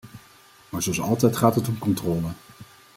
Maar zoals altijd gaat het om controle.